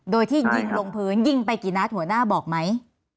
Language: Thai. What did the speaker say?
โดยที่ยิงลงพื้นยิงไปกี่นัดหัวหน้าบอกไหม